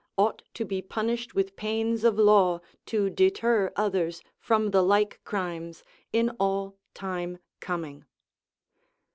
ought to be punished with pains of law, to deter others from the like crimes in all time coming."